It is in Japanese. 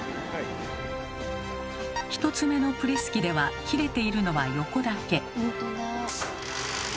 １つ目のプレス機では切れているのは横だけ。